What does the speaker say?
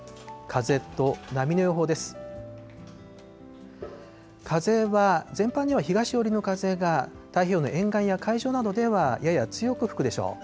風は全般には東寄りの風が太平洋の沿岸や海上などではやや強く吹くでしょう。